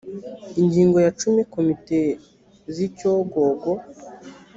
ingingo ya cumi komite z’icyogogo